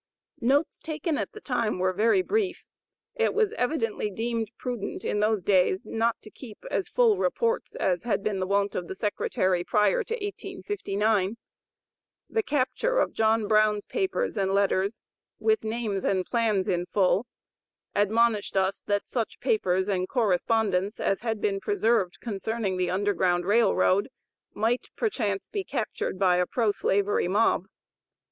Notes taken at that time were very brief; it was evidently deemed prudent in those days, not to keep as full reports as had been the wont of the secretary, prior to 1859. The capture of John Brown's papers and letters, with names and plans in full, admonished us that such papers and correspondence as had been preserved concerning the Underground Rail Road, might perchance be captured by a pro slavery mob.